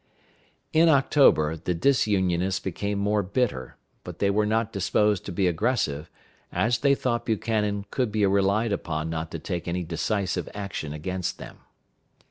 In October the disunionists became more bitter, but they were not disposed to be aggressive, as they thought Buchanan could be relied upon not to take any decisive action against them.